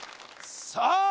さあ